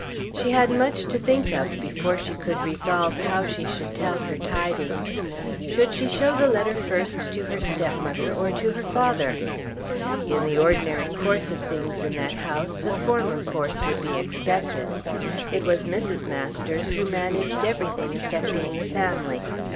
She had much to think of before she could resolve how she should tell her tidings. Should she show the letter first to her stepmother or to her father? In the ordinary course of things in that house the former course would be expected. It was Mrs. Masters who managed everything affecting the family.